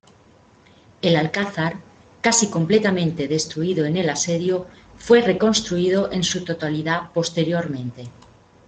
El alcázar, casi completamente destruido en el asedio, fue reconstruido en su totalidad posteriormente.